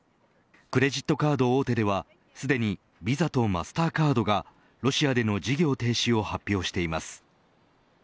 クレジットカードを大手ではすでにＶＩＳＡとマスターカードがロシアでの事業停止を発表しています。